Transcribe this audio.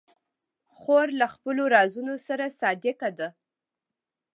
خور له خپلو رازونو سره صادقه ده.